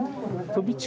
飛び地。